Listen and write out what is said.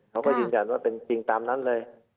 เขาก็ยืนยันว่าเป็นจริงตามนั้นเลย